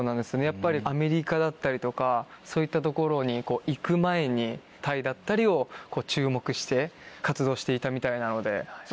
やっぱりアメリカだったりとかそういった所に行く前にタイだったりを注目して活動していたみたいなので。